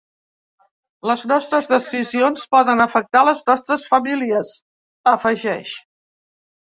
Les nostres decisions poden afectar les nostres famílies…, afegeix.